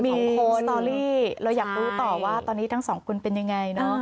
มีสตอรี่เราอยากรู้ต่อว่าตอนนี้ทั้ง๒คนเป็นอย่างไรเนอะ